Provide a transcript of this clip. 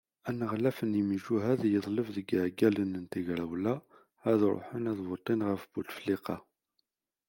Aneɣlaf n yemjuhad yeḍleb deg iɛeggalen n tegrawla ad ṛuḥen ad votin ɣef Butefliqa.